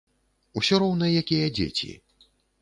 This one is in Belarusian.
Усё роўна якія дзеці.